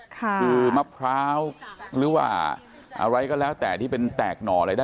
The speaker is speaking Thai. คือมะพร้าวหรือว่าอะไรก็แล้วแต่ที่เป็นแตกหน่ออะไรได้